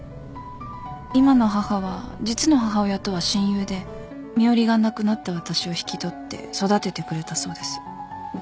今の母は実の母親とは親友で身寄りがなくなった私を引き取って育ててくれたそうです。